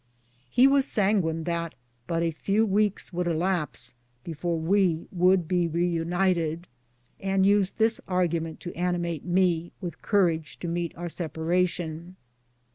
He was sanguine that but a few weeks would elapse before we would be re united, and used tliis argument to animate me with courage to meet our separation.